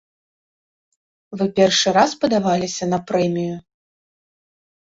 Вы першы раз падаваліся на прэмію?